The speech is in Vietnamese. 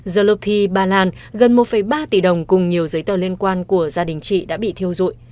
zlopi bà làn gần một ba tỷ đồng cùng nhiều giấy tờ liên quan của gia đình chị đã bị thiêu rụi